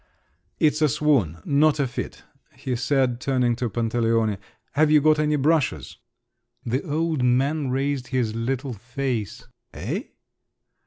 "It's a swoon, not a fit," he said, turning to Pantaleone. "Have you got any brushes?" The old man raised his little face. "Eh?"